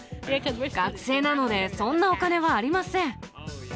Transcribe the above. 学生なのでそんなお金はありません。